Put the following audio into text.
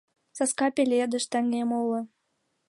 Саска пеледыш - таҥем уло.